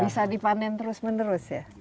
bisa dipanen terus menerus ya